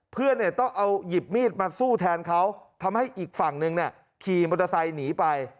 เพื่อนต้องเอาหยิบมีดมาสู้แทนเขาทำให้อีกฝั่งนึงขี่มอเตอร์ไซค์หนีไป